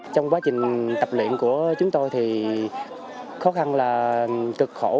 trong quá trình tập luyện của chúng tôi thì khó khăn là cực khổ